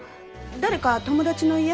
誰か友達の家？